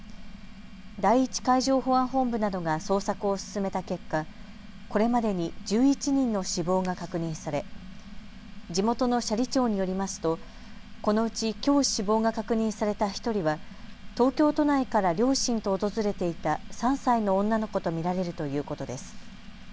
第１海上保安本部などが捜索を進めた結果、これまでに１１人の死亡が確認され地元の斜里町によりますとこのうちきょう死亡が確認された１人は東京都内から両親と訪れていた３歳の女の子と見られるということです。